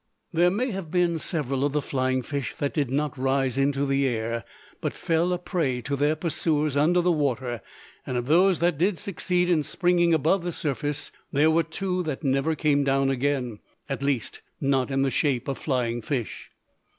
There may have been several of the flying fish that did not rise into the air, but fell a prey to their pursuers under the water; and of those that did succeed in springing above the surface there were two that never came down again, at least not in the shape of flying fish.